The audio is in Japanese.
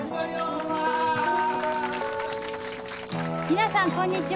皆さんこんにちは。